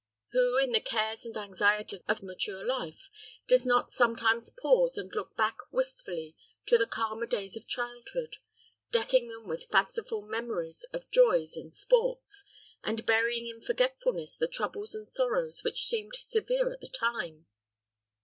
Who, in the cares and anxieties of mature life, does not sometimes pause and look back wistfully to the calmer days of childhood, decking them with fanciful memories of joys and sports, and burying in forgetfulness the troubles and sorrows which seemed severe at the time.